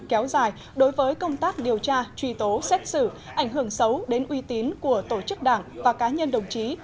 kéo dài đối với công tác điều tra truy tố xét xử ảnh hưởng xấu đến uy tín của tổ chức đảng và cá nhân đồng chí